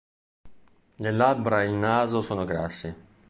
Le labbra e il naso sono grassi.